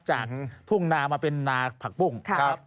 จากทุ่งนามาเป็นนาผักปุ้งครับ